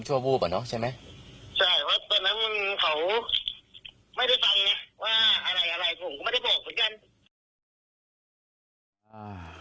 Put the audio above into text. ใช่เพราะตอนนั้นเขาไม่ได้ฟังไงว่าอะไรถูกไม่ได้บอกเหมือนกัน